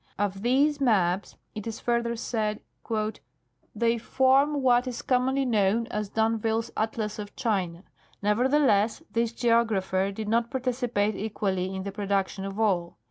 Of these maps it is further said : "They form what is commonly known as d'Anville's Atlas of China. Nevertheless this geographer did not participate equally in the production of all.